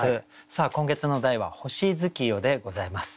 さあ今月の題は「星月夜」でございます。